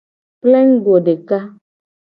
Plengugo deka.